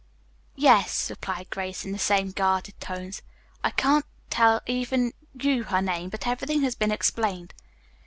"Yes," replied Grace in the same guarded tones. "I can't tell even you her name, but everything has been explained."